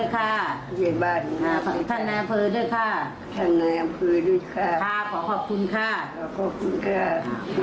ขอขอบคุณค่ะ